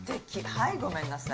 はいごめんなさい。